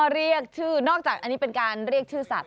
เรียกชื่อนอกจากอันนี้เป็นการเรียกชื่อสัตว